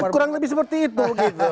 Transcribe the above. kurang lebih seperti itu